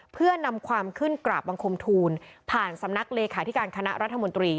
เพื่อนำความขึ้นกราบบังคมทูลผ่านสำนักเลขาธิการคณะรัฐมนตรี